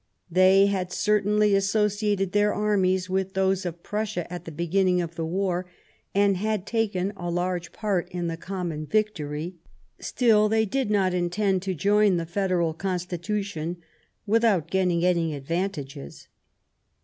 They had certainly associated their armies with those of Prussia at the beginning of the war and had taken a large part in the common victory ; still, they did not intend to join the Federal Constitution without getting any advantages.